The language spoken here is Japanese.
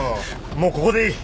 もうここでいい！